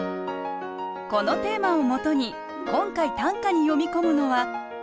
このテーマをもとに今回短歌に詠み込むのは「春の草」。